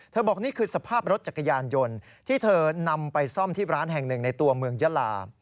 บอกนี่คือสภาพรถจักรยานยนต์ที่เธอนำไปซ่อมที่ร้านแห่งหนึ่งในตัวเมืองยาลา